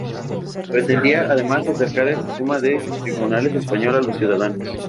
Pretendía, además, acercar el sistema de tribunales español a los ciudadanos.